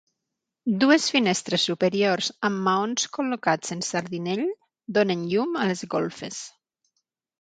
Dues finestres superiors amb maons col·locats en sardinell, donen llum a les golfes.